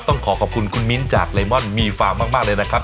ต้องขอขอบคุณคุณมิ้นจากเลมอนมีฟาร์มมากเลยนะครับ